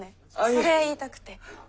それ言いたくて。